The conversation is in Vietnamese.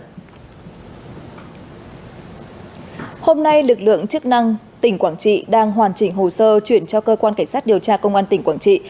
hôm nay lực lượng chức năng tỉnh quảng trị đang hoàn chỉnh hồ sơ chuyển cho cơ quan cảnh sát điều tra công an tỉnh quảng trị